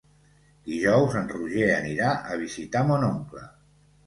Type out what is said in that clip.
Dijous en Roger anirà a visitar mon oncle.